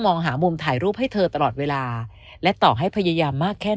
มองหามุมถ่ายรูปให้เธอตลอดเวลาและต่อให้พยายามมากแค่